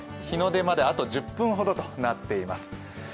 日の出まであと１０分ほどとなっています。